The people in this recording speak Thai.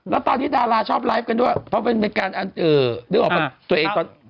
แล้วตอนที่ดาราชอบไลฟ์กันด้วยเนื้อเอาตัวเองตอนนี้